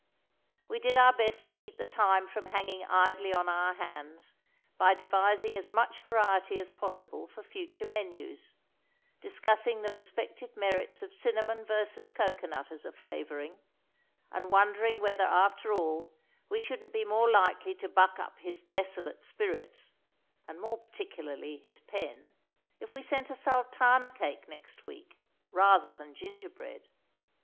We did our best to keep the time from hanging idly on our hands by devising as much variety as possible for future menus, discussing the respective merits of cinnamon versus cocoanut as a flavouring, and wondering whether after all we shouldn't be more likely to buck up his desolate spirits (and more particularly his pen) if we sent a sultana cake next week, rather than gingerbread.